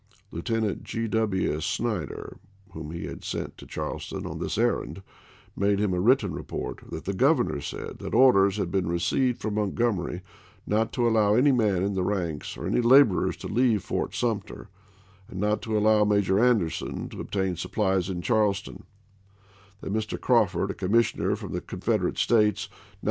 Lieutenant Gr. W. Snyder, whom he had sent to Charleston on this errand, made him a written report that "The Governor said that orders had been received from Montgomery not to allow any man in ih^ ranks or any laborers to leave Fort Sumter, and not to allow Major Anderson to ob tain supplies in Charleston ; that Mr. Crawford, a commissioner from the Confederate States, now in 26 ABKAHAM LINCOLN Chap. II.